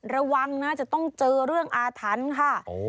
ระวังนะจะต้องเจอเรื่องอาถรรพ์ค่ะ